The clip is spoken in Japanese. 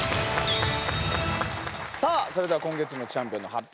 さあそれでは今月のチャンピオンの発表